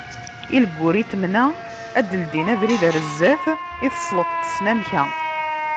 Ilguritmen-a, ad d-ldin abrid ɣer sdat i tesleḍt n tesnamka.